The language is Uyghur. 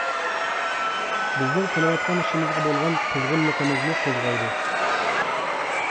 بىزنىڭ قىلىۋاتقان ئىشىمىزغا بولغان قىزغىنلىقىمىزنى قوزغايدۇ.